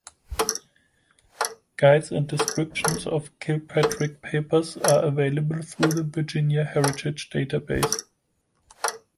"Guides and descriptions of Kilpatrick's papers" are available through the "Virginia Heritage" database.